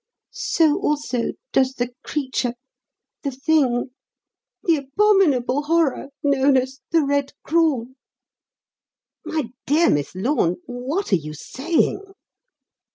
So, also, does the creature the thing the abominable horror known as 'The Red Crawl.'" "My dear Miss Lorne, what are you saying?"